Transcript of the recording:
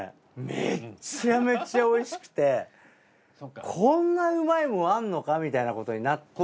めっちゃめちゃおいしくてこんなうまいもんあんのかみたいなことになって。